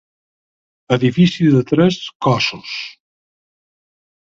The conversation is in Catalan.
Edifici de tres cossos.